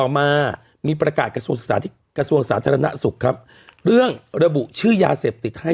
มามีประกาศกระทรวงสาธารณสุขครับเรื่องระบุชื่อยาเสพติดให้